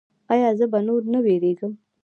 ایا زه به نور نه ویریږم؟